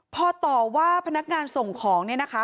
พอต่อว่าพนักงานส่งของเนี่ยนะคะ